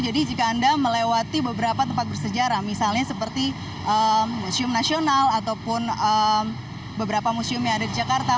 jadi jika anda melewati beberapa tempat bersejarah misalnya seperti museum nasional ataupun beberapa museum yang ada di jakarta